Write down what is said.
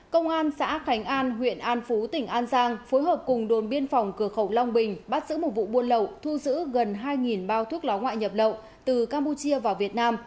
công an xã khánh an huyện an phú tỉnh an giang phối hợp cùng đồn biên phòng cửa khẩu long bình bắt giữ một vụ buôn lậu thu giữ gần hai bao thuốc lá ngoại nhập lậu từ campuchia vào việt nam